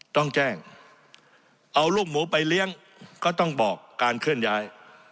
ต้องแจ้งเอาลูกหมูไปเลี้ยงก็ต้องบอกการเคลื่อนย้าย